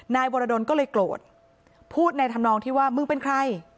นายวรดลก็เลยโกรธพูดในธรรมนองที่ว่ามึงเป็นใคร